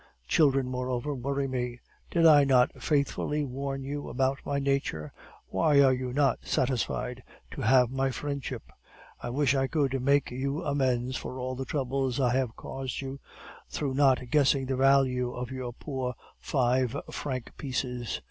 Children, moreover, worry me. Did I not faithfully warn you about my nature? Why are you not satisfied to have my friendship? I wish I could make you amends for all the troubles I have caused you, through not guessing the value of your poor five franc pieces.